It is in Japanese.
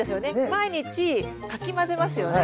毎日かき混ぜますよね。